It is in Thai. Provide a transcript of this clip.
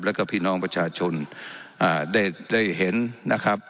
แล้วก็พี่น้องประชาชนอ่าได้ได้เห็นนะครับ